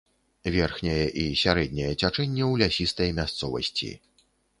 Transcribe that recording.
Верхняе і сярэдняе цячэнне ў лясістай мясцовасці.